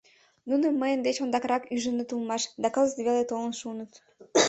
Нуным мыйын деч ондакрак ӱжыныт улмаш да кызыт веле толын шуыныт.